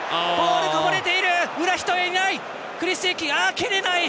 蹴れない。